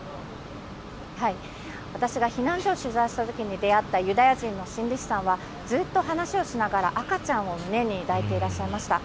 私が避難所を取材したときに出会ったユダヤ人の心理士さんはずっと話をしながら、赤ちゃんを胸に抱いていらっしゃいました。